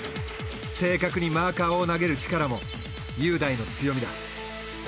正確にマーカーを投げる力も雄大の強みだ。